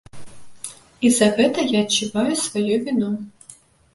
І за гэта я адчуваю сваю віну.